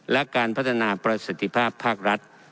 และการพัฒนาประสิทธิภาพภาครัฐ